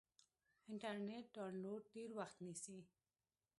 انټرنیټ ډاونلوډ ډېر وخت نیسي.